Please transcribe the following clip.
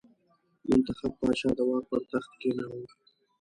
منتخب پاچا د واک پر تخت کېناوه.